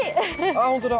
あっ本当だ！